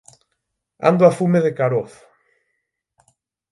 Ando a fume de carozo!